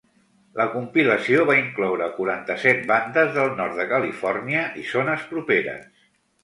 La compilació va incloure quaranta-set bandes del nord de Califòrnia i zones properes.